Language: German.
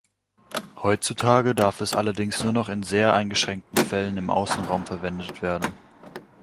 Heutzutage darf es allerdings nur noch in sehr eingeschränkten Fällen im Außenraum verwendet werden.